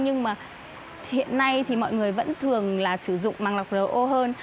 nhưng mà hiện nay thì mọi người vẫn thường là sử dụng màng lọc ro hơn